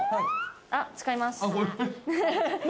あっ、使います。